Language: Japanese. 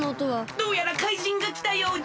どうやら怪人がきたようじゃ！